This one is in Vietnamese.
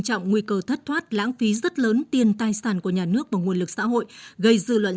trọng nguy cơ thất thoát lãng phí rất lớn tiền tài sản của nhà nước và nguồn lực xã hội gây dư luận